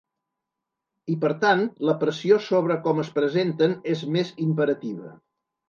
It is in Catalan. I per tant la pressió sobre com es presenten és més imperativa.